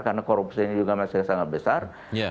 karena korupsinya juga masih sangat besar